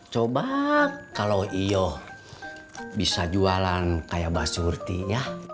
coba kalau iyo bisa jualan kayak mbak surti ya